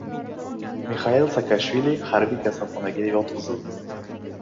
Mixail Saakashvili harbiy kasalxonaga yotqizildi